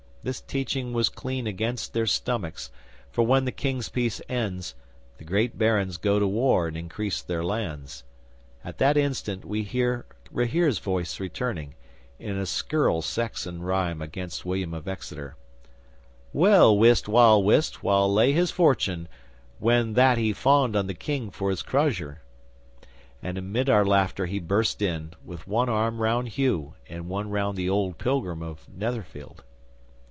This teaching was clean against their stomachs, for when the King's peace ends, the great barons go to war and increase their lands. At that instant we heard Rahere's voice returning, in a scurril Saxon rhyme against William of Exeter: '"Well wist Wal wist where lay his fortune When that he fawned on the King for his crozier," and amid our laughter he burst in, with one arm round Hugh, and one round the old pilgrim of Netherfield.